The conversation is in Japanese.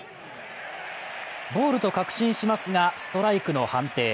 ボールと確信しますがストライクの判定。